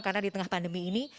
karena di tengah pandemi ini